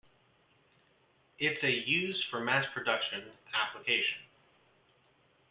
It's a used for mass production application.